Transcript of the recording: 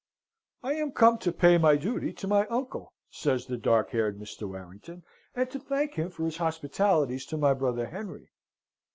"I am come to pay my duty to my uncle," says the dark haired Mr. Warrington; "and to thank him for his hospitalities to my brother Henry."